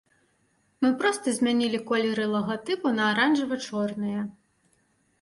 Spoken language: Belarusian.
Мы проста змянілі колеры лагатыпу на аранжава-чорныя.